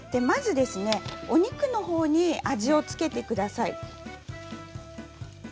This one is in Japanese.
まずお肉のほうに味をつけてください。